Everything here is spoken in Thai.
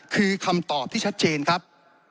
คือคำตอบที่ชัดเจนครับ